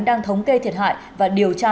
đang thống kê thiệt hại và điều tra